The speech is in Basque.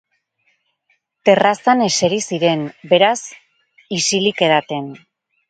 Terrazan eseri ziren, beraz, isilik edaten.